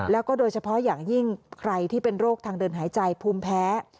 แล้วก็โดยเฉพาะอย่างยิ่งใครที่เป็นโรคทางเดินหายใจภูมิแพ้